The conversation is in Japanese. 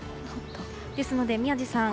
ですので、宮司さん